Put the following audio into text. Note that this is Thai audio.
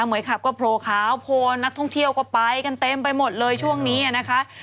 เหมือนขับก็โผล่ขาวโพลนักท่องเที่ยวก็ไปกันเต็มไปหมดเลยช่วงนี้นะคะ